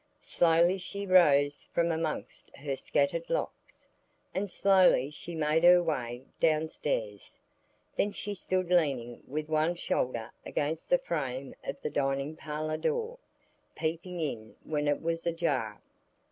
Slowly she rose from amongst her scattered locks, and slowly she made her way downstairs. Then she stood leaning with one shoulder against the frame of the dining parlour door, peeping in when it was ajar.